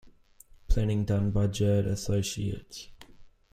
Planning done by Jerde Associates.